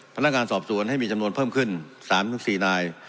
พนักงานสอบสวนให้มีจำนวนเพิ่มขึ้น๓๔นาย